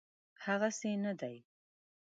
هغسي نه دی.